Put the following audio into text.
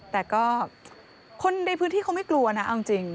แต่ก็คนในพื้นที่เขาไม่กลัวนะเอาจริง